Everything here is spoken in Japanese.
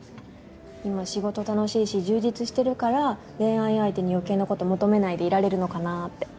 今仕事楽しいし充実しているから恋愛相手に余計なこと求めないでいられるのかなって。